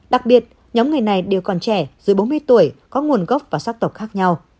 đặc biệt nhóm người này đều còn trẻ dưới bốn mươi tuổi có nguồn gốc và sắc tộc khác nhau